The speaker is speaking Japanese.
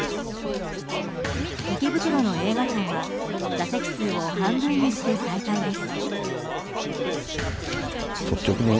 池袋の映画館は座席数を半分にして再開です。